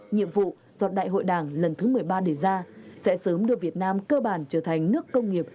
nhiệm vụ do đại hội đảng lần thứ một mươi ba đề ra sẽ sớm đưa việt nam cơ bản trở thành nước công nghiệp